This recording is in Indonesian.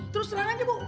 terus terangannya bu